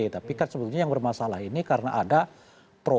tapi kan sebetulnya yang bermasalah ini karena ada pro